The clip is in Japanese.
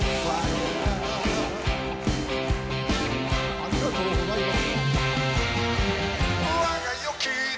ありがとうございます。